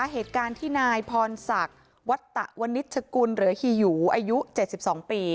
เหตุการณ์ที่นายพรศักดิ์วัตตะวันนิชกุลหรือฮียูอายุ๗๒ปี